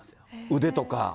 腕とか。